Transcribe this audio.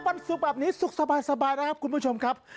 วันศุกร์แบบนี้สุขสบายนะครับคุณผู้ชมครับ